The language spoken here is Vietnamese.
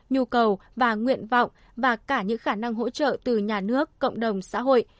nhu cầu và nguyện vọng và cả những khả năng hỗ trợ từ nhà nước cộng đồng xã hội